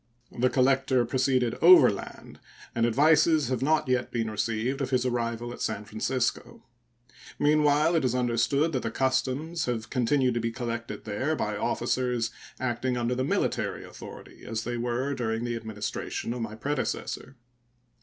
The collector proceeded overland, and advices have not yet been received of his arrival at San Francisco. Meanwhile, it is understood that the customs have continued to be collected there by officers acting under the military authority, as they were during the Administration of my predecessor.